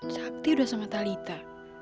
sakti udah sama talita